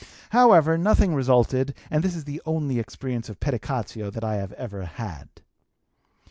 However, nothing resulted and this is the only experience of pedicatio that I have ever had.